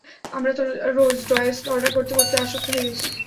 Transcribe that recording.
আমরা তো রোজ ডয়েঙ্কে অর্ডার করতে করতে আসক্ত হয়ে গেছি।